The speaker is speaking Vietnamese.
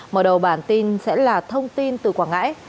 mở đầu bản tin sẽ là thông tin từ quảng ngãi